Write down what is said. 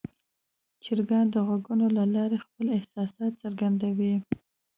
چرګان د غږونو له لارې خپل احساسات څرګندوي.